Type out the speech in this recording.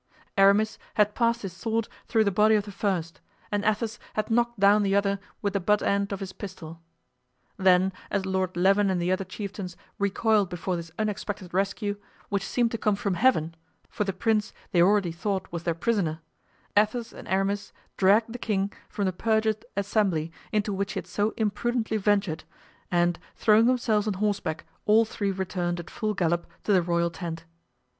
Aramis had passed his sword through the body of the first and Athos had knocked down the other with the butt end of his pistol. Then, as Lord Leven and the other chieftains recoiled before this unexpected rescue, which seemed to come from Heaven for the prince they already thought was their prisoner, Athos and Aramis dragged the king from the perjured assembly into which he had so imprudently ventured, and throwing themselves on horseback all three returned at full gallop to the royal tent.